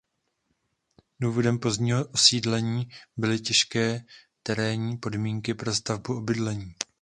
Důvodem pozdního osídlení byly těžké terénní podmínky pro stavbu obydlí.